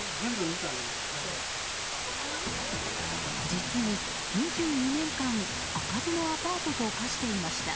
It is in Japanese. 実に２２年間開かずのアパートと化していました。